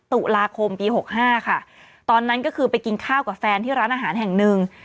ตุลาคมปีหกห้าค่ะตอนนั้นก็คือไปกินข้าวกับแฟนที่ร้านอาหารแห่งหนึ่ง